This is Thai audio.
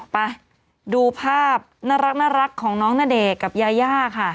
ไปดูภาพน่ารักของน้องณเดชน์กับยาย่าค่ะ